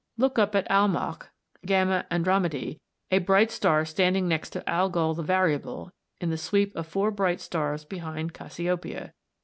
Look up at Almach ([Greek: g] Andromedæ), a bright star standing next to Algol the Variable in the sweep of four bright stars behind Cassiopeia (see Fig.